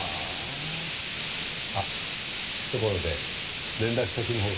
あっところで連絡先のほうは。